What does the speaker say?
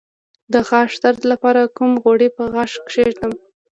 د غاښ درد لپاره کوم غوړي په غاښ کیږدم؟